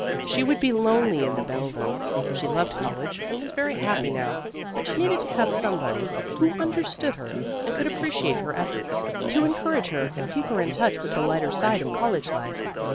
She would be lonely in the Belden; she loved college and was very happy now, but she needed to have somebody who understood her and could appreciate her efforts, to encourage her and keep her in touch with the lighter side of college life.